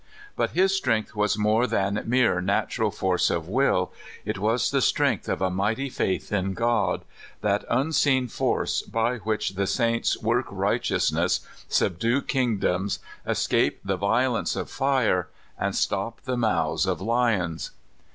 But his strength was more than mere natural force of will, it was the strength of a mighty faith in God that unseen force by which the saints work righteousness, subdue kingdoms, escape the violence of fire, and stop the mouths of lions.